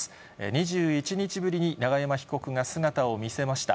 ２１日ぶりに、永山被告が姿を見せました。